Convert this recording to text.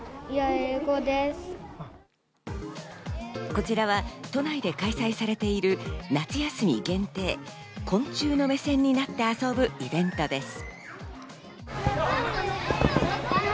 こちらは都内で開催されている、夏休み限定の昆虫の目線になって遊ぶイベントです。